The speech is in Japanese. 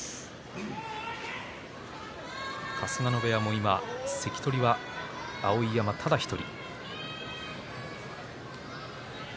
春日野部屋も今関取は碧山ただ１人。